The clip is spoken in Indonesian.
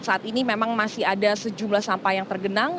saat ini memang masih ada sejumlah sampah yang tergenang